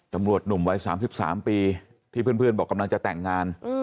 หนุ่มวัย๓๓ปีที่เพื่อนบอกกำลังจะแต่งงาน